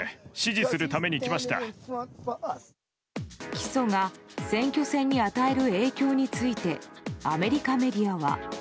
起訴が選挙戦に与える影響についてアメリカメディアは。